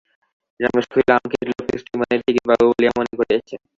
রমেশ কহিল, আমাকে লোকটা স্টীমারের টিকিটবাবু বলিয়া মনে করিয়াছে।